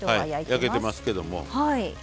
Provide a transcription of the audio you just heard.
焼けてますけども。